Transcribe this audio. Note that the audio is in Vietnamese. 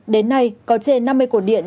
đến nay có trên năm mươi cổ điện